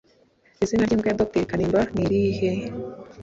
Izina ry'imbwa ya Dr kanimba nirihe